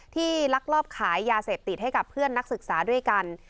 ลักลอบขายยาเสพติดให้กับเพื่อนนักศึกษาด้วยกัน